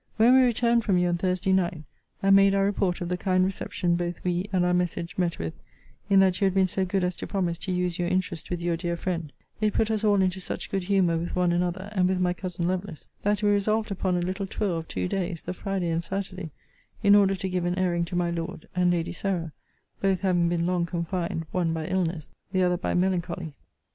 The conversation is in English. When we returned from you on Thursday night, and made our report of the kind reception both we and our message met with, in that you had been so good as to promise to use your interest with your dear friend, it put us all into such good humour with one another, and with my cousin Lovelace, that we resolved upon a little tour of two days, the Friday and Saturday, in order to give an airing to my Lord, and Lady Sarah, both having been long confined, one by illness, the other by melancholy.